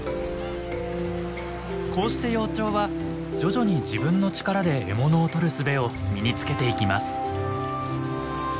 こうして幼鳥は徐々に自分の力で獲物を捕る術を身に付けていきます。